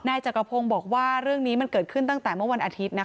จักรพงศ์บอกว่าเรื่องนี้มันเกิดขึ้นตั้งแต่เมื่อวันอาทิตย์